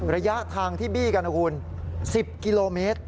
ระยะทางที่บี้กันนะคุณ๑๐กิโลเมตร